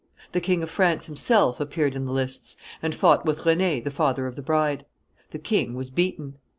The King of France himself appeared in the lists, and fought with René, the father of the bride. The king was beaten.